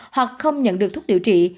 hoặc không nhận được thuốc điều trị